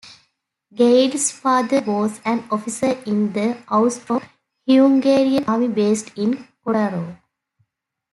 Geidl's father was an officer in the Austro-Hungarian Army based in Kotor.